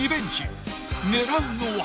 ［狙うのは］